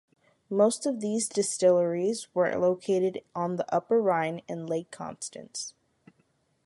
Most of these distilleries were located on the Upper Rhine and Lake Constance.